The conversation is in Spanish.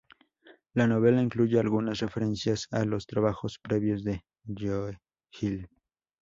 La novela incluye algunas referencias a los trabajos previos de Joe Hill.